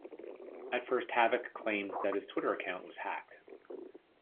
At first, Havoc claimed that his Twitter account was hacked.